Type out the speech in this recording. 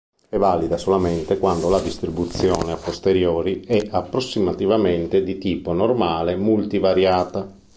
È valida solamente quando la distribuzione a posteriori è approssimativamente di tipo normale multivariata.